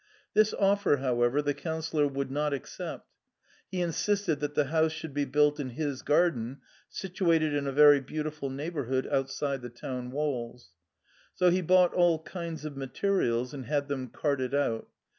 This offer, however, the Councillor would not accept ; he insisted that the house should be built in his garden, situated in a very beautiful neighbourhood outside the town walls. So he bought all kinds of ma terials and had them carted out.